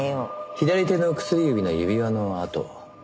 左手の薬指の指輪の痕。